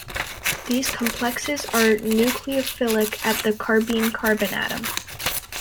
These complexes are nucleophilic at the carbene carbon atom.